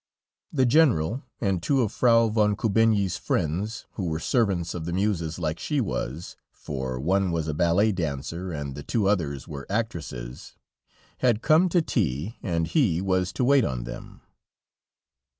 The General and two of Frau von Kubinyi's friends, who were servants of the Muses like she was, for one was a ballet dancer, and the two others were actresses, had come to tea, and he was to wait on them.